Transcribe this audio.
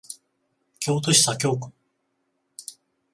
京都市左京区